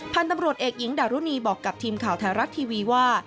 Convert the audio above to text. พันธุ์ตำรวจเอกหญิงดารุณีบอกกับทีมข่าวไทยรัฐทีวีว่า